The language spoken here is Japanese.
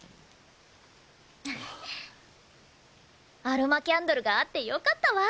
アロマキャンドルがあってよかったわ。